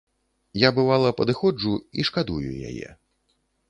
Я, бывала, падыходжу і шкадую яе.